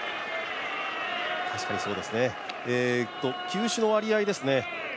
球種の割合です。